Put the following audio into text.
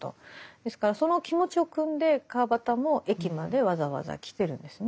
ですからその気持ちをくんで川端も駅までわざわざ来てるんですね。